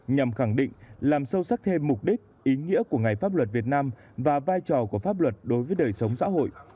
nhằm khẳng định làm sâu sắc thêm mục đích ý nghĩa của ngày pháp luật việt nam và vai trò của pháp luật đối với đời sống xã hội